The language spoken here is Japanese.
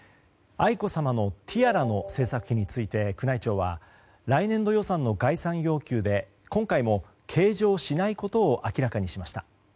愛子さまのティアラの製作費について宮内庁は来年度予算の概算要求で今回も計上しないことを明らかにしました。